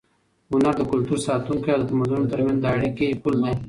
هنر د کلتور ساتونکی او د تمدنونو تر منځ د اړیکې پُل دی.